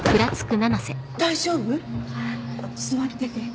大丈夫？座ってて。